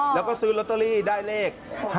แล้วก็ซื้อลอตเตอรี่ได้เลข